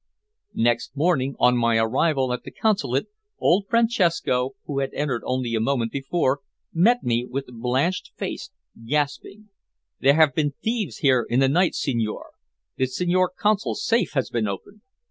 Next morning, on my arrival at the Consulate, old Francesco, who had entered only a moment before, met me with blanched face, gasping "There have been thieves here in the night, signore! The Signor Console's safe has been opened!"